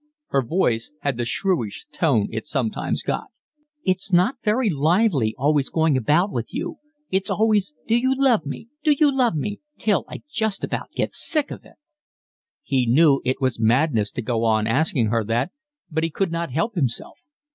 Her voice had the shrewish tone it sometimes got. "It's not very lively, always going about with you. It's always do you love me, do you love me, till I just get about sick of it." He knew it was madness to go on asking her that, but he could not help himself.